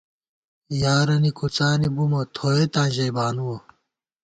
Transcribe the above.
یارَنہ کُڅانی بُمہ ، تھوئېتاں ژَئی بانُوَہ